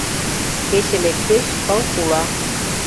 Кече лектеш, пыл шула.